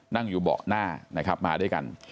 นั่งอยู่เบาะหน้านะครับมาด้วยกัน